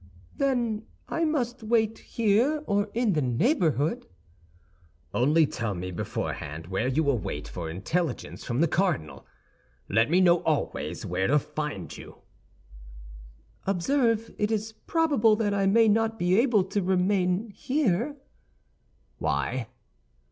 "Then I must wait here, or in the neighborhood?" "Only tell me beforehand where you will wait for intelligence from the cardinal; let me know always where to find you." "Observe, it is probable that I may not be able to remain here." "Why?"